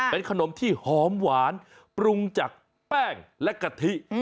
เป็นขนมที่หอมหวานปรุงจากแป้งและกะทิ